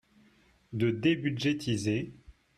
De débudgétiser.